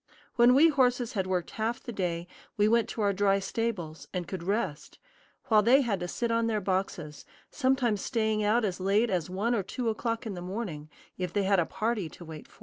When we horses had worked half the day we went to our dry stables, and could rest; while they had to sit on their boxes, sometimes staying out as late as one or two o'clock in the morning, if they had a party to wait for.